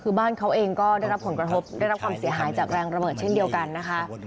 คือบ้านเขาเองก็ได้รับผลกระทบได้รับความเสียหายจากแรงระเบิดเช่นเดียวกันนะคะ